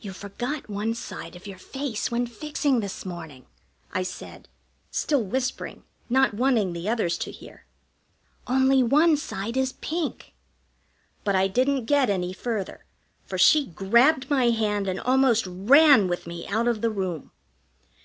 "You forgot one side of your face when fixing this morning," I said, still whispering, not wanting the others to hear. "Only one side is pink " But I didn't get any further, for she grabbed my hand and almost ran with me out of the room.